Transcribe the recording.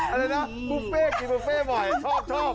อะไรนะบุฟเฟ่กินบุฟเฟ่บ่อยชอบ